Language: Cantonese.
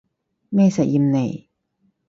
咩實驗嚟